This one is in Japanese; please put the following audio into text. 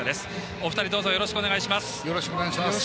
お二人どうぞよろしくお願いいたします。